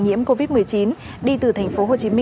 nhiễm covid một mươi chín đi từ tp hcm